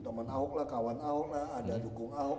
teman ahok lah kawan ahok lah ada dukung ahok